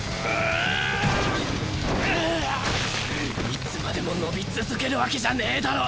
いつまでも伸び続けるわけじゃねぇだろ。